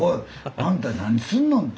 「あんた何すんのん」と。